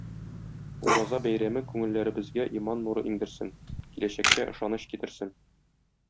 Ураза бәйрәме күңелләребезгә иман нуры иңдерсен, киләчәккә ышаныч китерсен.